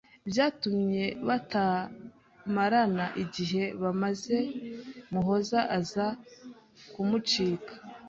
byatumye batamarana igihe maze Muhoza aza kumucika